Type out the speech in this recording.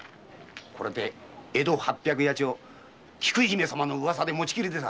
これで江戸八百八町菊姫様の噂で持ちきりでさ。